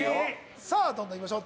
さあどんどんいきましょう。